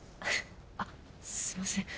あすいません